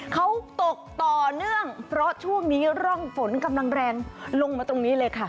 เขาตกต่อเนื่องเพราะช่วงนี้ร่องฝนกำลังแรงลงมาตรงนี้เลยค่ะ